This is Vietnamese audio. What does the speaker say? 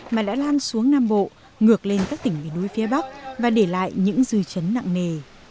mà đã lan xuống nam bộ ngược lên các tỉnh về núi phía bắc và để lại những dư chấn nặng nề